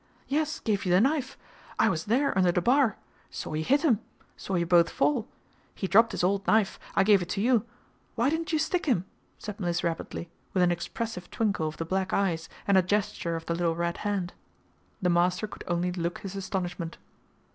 "Yes, gave you the knife. I was there under the bar. Saw you hit him. Saw you both fall. He dropped his old knife. I gave it to you. Why didn't you stick him?" said Mliss rapidly, with an expressive twinkle of the black eyes and a gesture of the little red hand. The master could only look his astonishment.